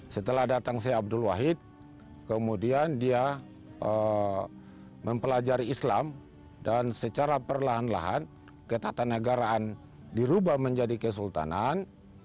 setelah datang saya abdul wahid kemudian dia mempelajari islam dan secara perlahan lahan ketatanegaraan dirubah menjadi kesultanan